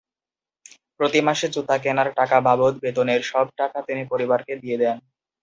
প্রতিমাসে জুতা কেনার টাকা বাদে বেতনের সব টাকা তিনি পরিবারকে দিয়ে দেন।